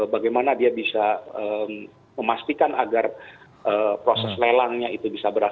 bagaimana dia bisa memastikan agar proses lelangnya itu bisa berhasil